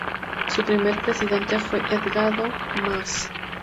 Su primer presidente fue Edgardo Maas.